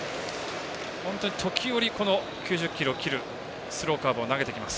本当に時折、９０キロを切るスローカーブを投げてきます。